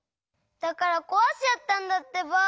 だからこわしちゃったんだってば。